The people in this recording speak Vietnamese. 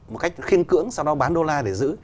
một cách khiên cưỡng sau đó bán đô la để giữ